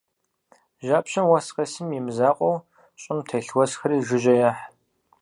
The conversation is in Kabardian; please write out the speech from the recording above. Жьапщэм уэс къесым и мызакъуэу, щӀым телъ уэсхэри жыжьэ ехь.